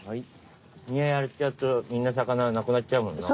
身やっちゃうとみんな魚なくなっちゃうもんな。